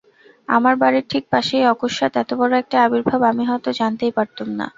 আমার বাড়ির ঠিক পাশেই অকস্মাৎ এতবড়ো একটা আবির্ভাব আমি হয়তো জানতেই পারতুম না।